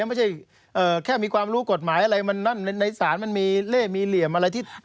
ไม่ใช่แค่มีความรู้กฎหมายอะไรมันนั่นในศาลมันมีเล่มีเหลี่ยมอะไรที่